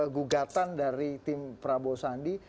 gugatan dari tim prabowo sandi